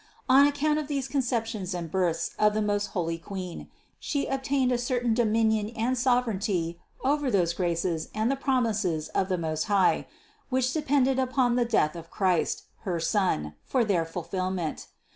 On account of these conceptions and births of the most holy Queen, She obtained a certain dominion and sovereignty over those graces and the promises of the Most High, which depended upon the death of Christ, her Son, for their fulfillment.